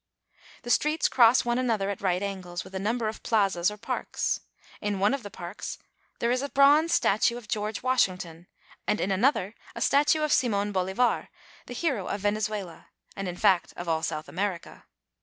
The streets cross one another at right angles, with a number of plazas or parks. In one of the parks there is a bronze statue of* George Washing ton, and in another a statue of Simon Bolivar, the hero of Venezuela, and in fact of all South America.